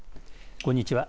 こんにちは。